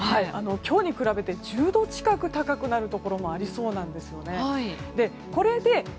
今日に比べて、１０度近く高くなるところもありそうなんです。